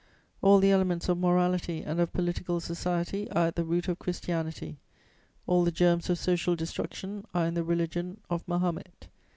All the elements of morality and of political society are at the root of Christianity, all the germs of social destruction are in the religion of Mahomet.